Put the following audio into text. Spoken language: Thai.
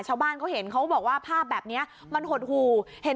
ชาวบ้านก็เห็นเขาบอกว่าภาพแบบเนี้ยมันหดหู